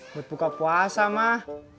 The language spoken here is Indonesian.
buat buka puasa mah